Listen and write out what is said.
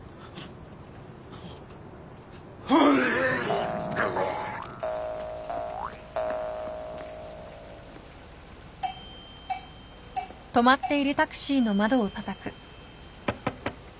はい？